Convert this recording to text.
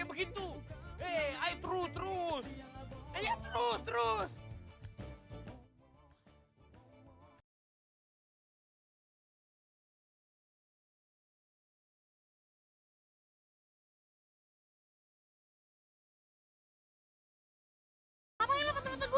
apaan lo patah patah gue